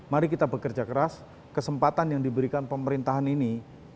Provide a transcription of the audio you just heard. mari kita bekerja keras kesempatan yang diberikan pemerintahan ini